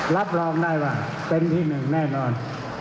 รับรองได้ว่าเป็นที่หนึ่งแน่นอน